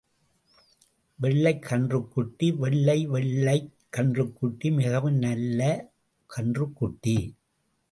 வெள்ளைக் கன்றுக் குட்டி வெள்ளை வெள்ளைக் கன்றுக் குட்டி, மிகவும் நல்ல கன்றுக் குட்டி.